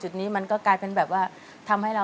ได้ฝ่าแล้วจ้ะ